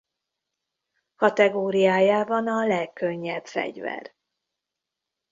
Kategóriájában a legkönnyebb fegyver.